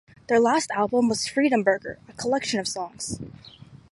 Their last album was "Freedomburger", a collection of songs.